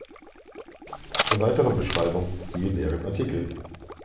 Für weitere Beschreibung siehe deren Artikel.